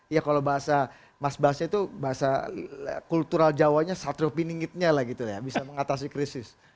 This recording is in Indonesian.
ya kalau bahasa mas bas itu bahasa kultural jawa nya satropi ningitnya lah gitu ya bisa mengatasi krisis